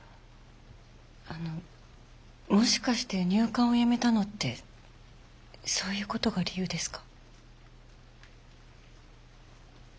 あのもしかして入管を辞めたのってそういうことが理由ですか？